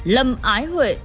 lâm ái huệ